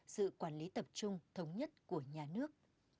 sự quản lý tập trung thống nhất của nhà nước